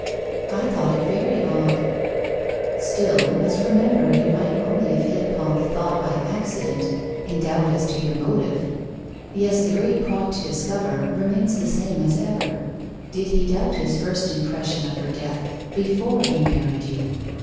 'I thought it very odd.' 'Still we must remember he might only have hit upon the thought by accident, in doubt as to your motive. Yes, the great point to discover remains the same as ever did he doubt his first impression of her death before he married you.